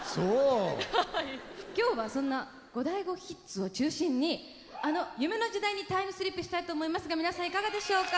今日はそんなゴダイゴヒッツを中心にあの夢の時代にタイムスリップしたいと思いますが皆さんいかがでしょうか？